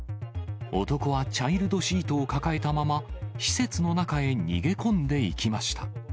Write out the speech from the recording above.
男はチャイルドシートを抱えたまま、施設の中へ逃げ込んでいきました。